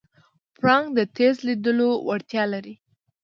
پړانګ د تېز لیدلو وړتیا لري.